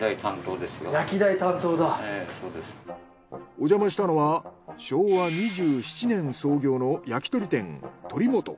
おじゃましたのは昭和２７年創業の焼き鳥店